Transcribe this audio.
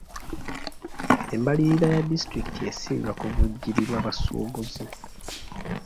Embalirira ya disitulikiti esinga kuvujjirirwa basuubuzi.